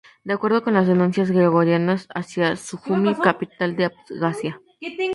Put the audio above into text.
De acuerdo con las denuncias georgianas, hacia Sujumi, capital de Abjasia.